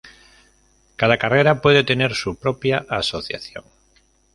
Cada carrera puede tener su propia asociación.